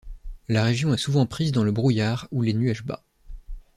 La région est souvent prise dans le brouillard ou les nuages bas.